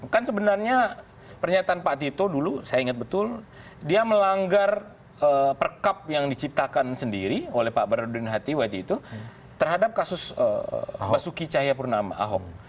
kan sebenarnya pernyataan pak tito dulu saya ingat betul dia melanggar perkap yang diciptakan sendiri oleh pak barodin hatiwaji itu terhadap kasus basuki cahayapurnama ahok